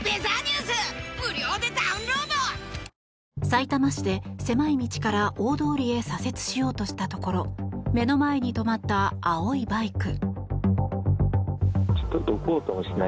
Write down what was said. さいたま市で狭い道から大通りへ左折しようとしたところ目の前に止まった青いバイク。